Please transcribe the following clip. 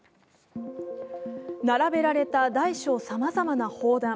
並べられた大小さまざまな砲弾。